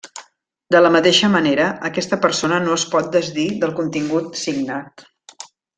De la mateixa manera, aquesta persona no es pot desdir del contingut signat.